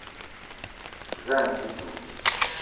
Za ànji dud